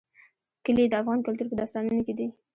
کلي د افغان کلتور په داستانونو کې دي.